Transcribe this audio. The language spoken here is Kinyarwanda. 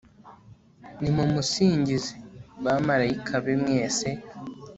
nimumusingize, bamalayika be mwese